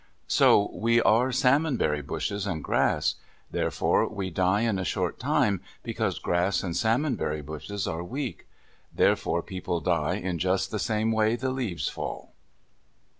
So we are salmon berry bushes and grass. Therefore we die in a short time, because grass and salmon berry bushes are weak. Therefore people die in just the same way the leaves fall.